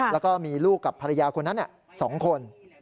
แล้วก็มีลูกกับภรรยาคนนั้น๒คน